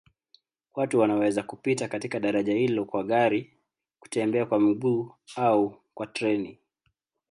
Watu wanaweza kupita katika daraja hilo kwa gari, kutembea kwa miguu au kwa treni.